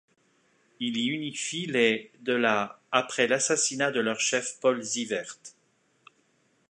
Il y unifie les de la après l'assassinat de leur chef Paul Siewert.